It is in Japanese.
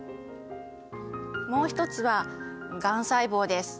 もう一つはがん細胞です。